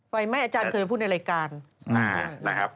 ไฟไหม้อาจารย์เคยพูดในรายการ